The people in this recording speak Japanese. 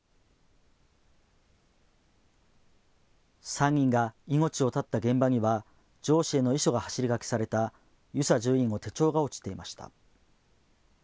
３人が命を絶った現場には上司への遺書が走り書きされた遊佐准尉の手帳が落ちていました。